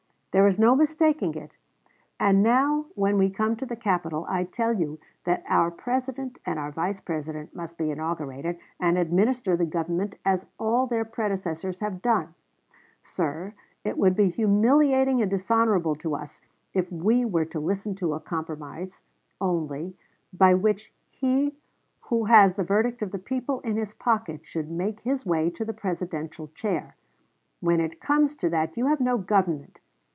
There is no mistaking it; and now when we come to the capitol, I tell you that our President and our Vice President must be inaugurated and administer the government as all their predecessors have done. Sir, it would be humiliating and dishonorable to us if we were to listen to a compromise [only] by which he who has the verdict of the people in his pocket should make his way to the Presidential chair. When it comes to that you have no government....